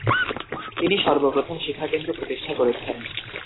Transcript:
তিনি সর্বপ্রথম শিক্ষাকেন্দ্র প্রতিষ্ঠা করেছেন।